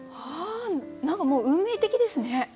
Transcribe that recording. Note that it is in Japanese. はあ何かもう運命的ですね。